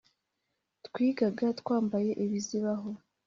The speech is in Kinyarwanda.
twigaga twambaye ibizibaho